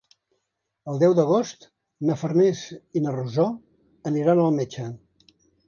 El deu d'agost na Farners i na Rosó aniran al metge.